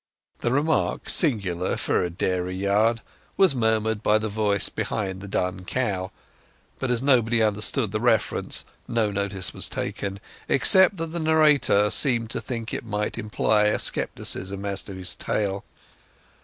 The remark, singular for a dairy yard, was murmured by the voice behind the dun cow; but as nobody understood the reference, no notice was taken, except that the narrator seemed to think it might imply scepticism as to his tale.